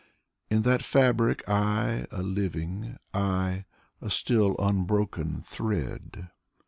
In that fabric I — a living, I — a still unbroken thread.